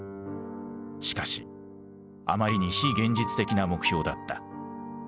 しかしあまりに非現実的な目標だった。